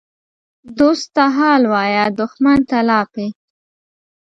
دوست ته حال وایه، دښمن ته لاپې.